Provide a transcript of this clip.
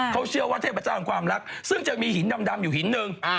เขาเชื่อว่าเทพเจ้าของความรักซึ่งจะมีหินดำอยู่หินหนึ่ง